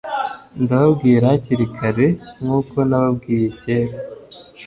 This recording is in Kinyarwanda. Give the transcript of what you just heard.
Ndababwira hakiri kare, nk'uko nababwiye kera,